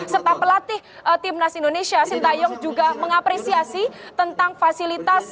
serta pelatih tim nas indonesia sintayong juga mengapresiasi tentang fasilitasnya